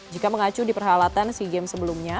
jika mengacu di peralatan sea games sebelumnya